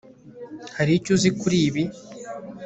hari icyo uzi kuri ibi